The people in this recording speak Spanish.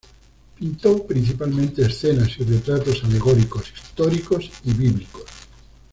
Pintó principalmente escenas y retratos alegóricos, históricos y bíblicos.